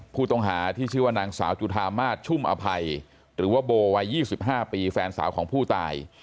ผู้ต้องหาที่ชื่อว่านางสาวจุธามาศชุ่มอภัยหรือว่าโบวัย๒๕ปีแฟนสาวของผู้ตาย